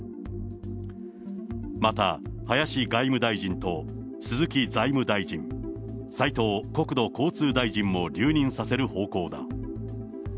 また林外務大臣と鈴木財務大臣、斉藤国土交通大臣も留任させる方向だ。